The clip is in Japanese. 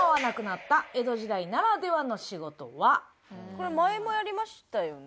これ前もやりましたよね？